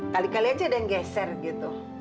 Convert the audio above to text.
kali kali aja ada yang geser gitu